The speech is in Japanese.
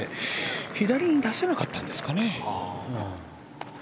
左に出せなかったんですかね。